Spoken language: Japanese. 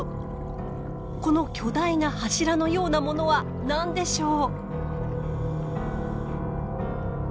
この巨大な柱のようなものは何でしょう。